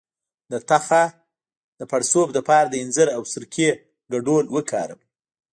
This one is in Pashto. د تخه د پړسوب لپاره د انځر او سرکې ګډول وکاروئ